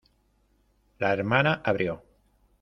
la hermana abrió.